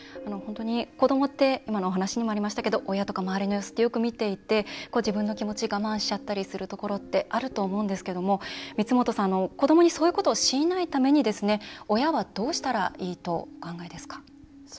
子どもって今のお話にもありましたけど親とか周りの様子ってよく見ていて自分の気持ちを我慢してしまうことがあると思うんですけれども子どもに、そういうことを強いないために親はどうしたらいいとお考えですか？